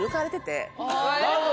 なるほど！